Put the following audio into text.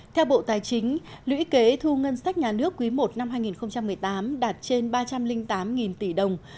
theo bộ tài chính lũy kế thu ngân sách nhà nước quý i năm hai nghìn một mươi tám đạt trên ba trăm linh tám tỷ đồng